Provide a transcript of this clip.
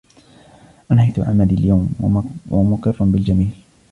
انهيت عملي اليوم ، و مقر بالجميل.